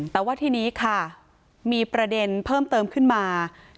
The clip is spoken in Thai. แต่ว่าทีนี้ค่ะมีประเด็นเพิ่มเติมขึ้นมา